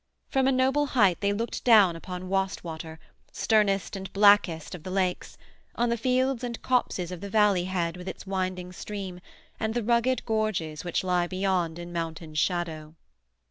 From a noble height they looked down upon Wastwater, sternest and blackest of the lakes, on the fields and copses of the valley head with its winding stream, and the rugged gorges which lie beyond in mountain shadow.